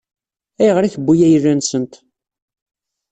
Ayɣer i tewwi ayla-nsent?